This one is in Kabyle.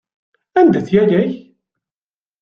Anda-tt yaya-k?